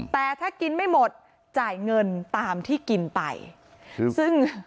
แต่ถ้ากินไม่หมดจ่ายเงินตามที่กินไปซึ่ง